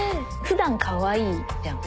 ふだんかわいいじゃん。